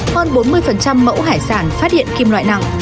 hơn bốn mươi mẫu hải sản phát hiện kim loại nặng